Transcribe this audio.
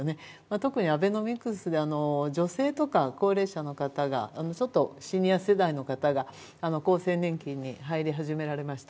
特にアベノミクスで女性とか高齢者の方がちょっとシニア世代の方が厚生年金に入り始められました。